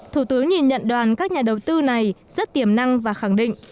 thủ tướng nhìn nhận đoàn các nhà đầu tư này rất tiềm năng và khẳng định